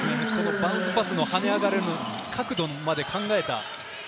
バウンズパスの跳ね上がる角度まで考えた。